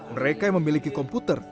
mereka yang memiliki komputer